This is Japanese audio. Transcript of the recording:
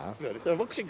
ボクシング。